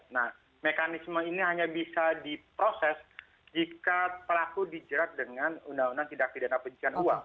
nah mekanisme ini hanya bisa diproses jika pelaku dijerat dengan undang undang tindak pidana pencucian uang